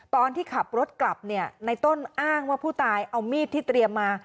ตอนที่ขับรถกลับเนี่ยในต้นอ้างว่าผู้ตายเอามีดที่เตรียมมา